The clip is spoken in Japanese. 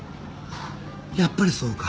やっぱりそうか。